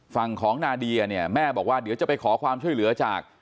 ฝั่งของนาเดียเนี่ยแม่บอกว่าเดี๋ยวจะไปขอความช่วยเหลือจาก